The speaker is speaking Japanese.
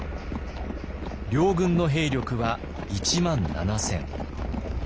両軍の兵力は１万７千。